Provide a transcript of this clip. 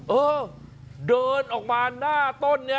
เออเดินออกมาหน้าต้นนี้